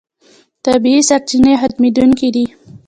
طبیعي سرچینې ختمېدونکې دي.